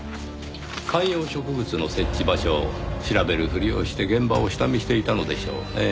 観葉植物の設置場所を調べるふりをして現場を下見していたのでしょうねぇ。